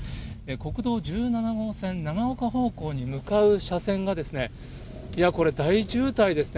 国道１７号線、長岡方向に向かう車線がこれ、大渋滞ですね。